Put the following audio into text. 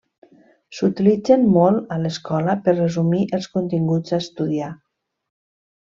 S'utilitzen molt a l'escola per resumir els continguts a estudiar.